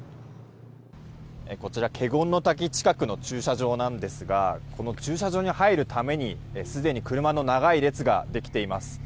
こちら華厳の滝近くの駐車場なんですが駐車場に入るために、すでに車の長い列ができています。